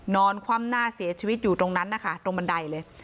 คว่ำหน้าเสียชีวิตอยู่ตรงนั้นนะคะตรงบันไดเลย